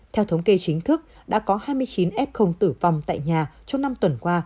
theo thống kê chính thức đã có hai mươi chín f tử vong tại nhà trong năm tuần qua